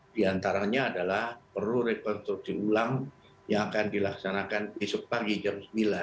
di antaranya adalah perlu rekonstruksi ulang yang akan dilaksanakan besok pagi jam sembilan